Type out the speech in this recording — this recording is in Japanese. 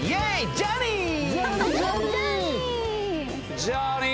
ジャーニー。